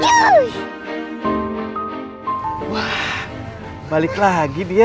wah balik lagi dia